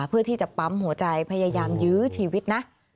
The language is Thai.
เพื่อที่จะปั๊มหัวใจพยายามยื้อชีวิตนะ